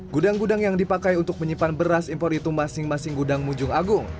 gudang gudang yang dipakai untuk menyimpan beras impor itu masing masing gudang mujung agung